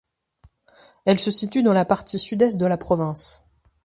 Elle se situe dans la partie sud-est de la province.